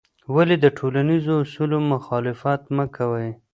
ولې د ټولنیزو اصولو مخالفت مه کوې؟